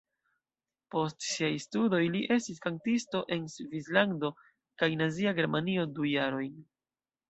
Post siaj studoj li estis kantisto en Svislando kaj Nazia Germanio du jarojn.